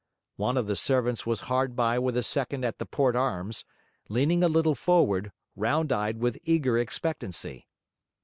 One of the servants was hard by with a second at the port arms, leaning a little forward, round eyed with eager expectancy.